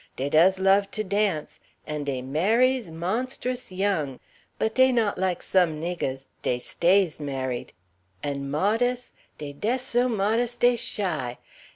Dey does love to dance, and dey marries mawnstus young; but dey not like some niggehs: dey stays married. An' modess? Dey dess so modess dey shy!